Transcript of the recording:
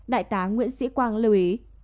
đại tá nguyễn sĩ quang lưu ý